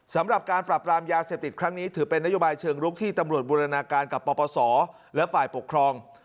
สำหรับการปรับรามยาเสพติดครั้งนี้ถือเป็นนโยบายเชิงลุกที่ตำรวจบูรณาการกับปปศและฝ่ายปกครอง